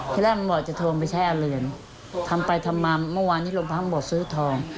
ที่แรกตำรวจจะโทรไปใช้อาเรือนทำไปทำมาเมื่อวานนี้โรงพักบอกซื้อทอง